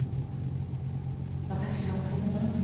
私はそれで満足。